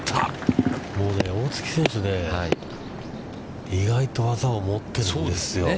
もうね、大槻選手、意外と技を持ってるんですよ。